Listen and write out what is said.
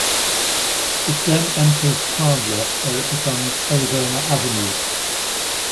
It then enters Chandler where it becomes Arizona Avenue.